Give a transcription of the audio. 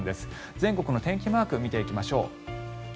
全国の天気マーク見ていきましょう。